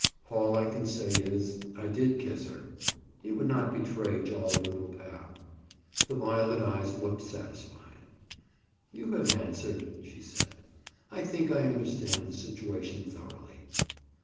"All I can say is I did kiss her." He would not betray jolly little pal. The violet eyes looked satisfied. "You have answered," she said. "I think I understand the situation thoroughly."